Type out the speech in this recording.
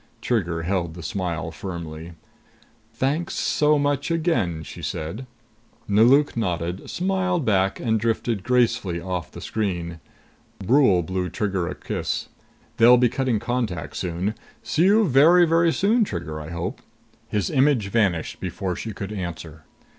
Trigger held the smile firmly. "Thanks so much, again!" she said. Nelauk nodded, smiled back and drifted gracefully off the screen. Brule blew Trigger a kiss. "They'll be cutting contact now. See you very, very soon, Trigger, I hope." His image vanished before she could answer.